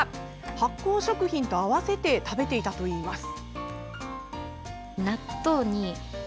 発酵食品と合わせて食べていたといいます。